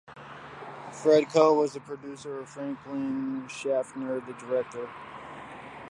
Fred Coe was the producer and Franklin Schaffner the director.